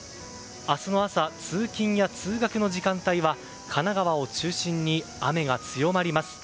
明日の朝、通勤や通学の時間帯は神奈川を中心に雨が強まります。